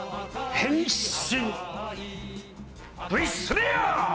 変身！